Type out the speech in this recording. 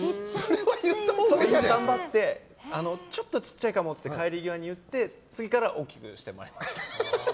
頑張ってちょっと小さいかもって帰り際に言って次から大きくしてもらいました。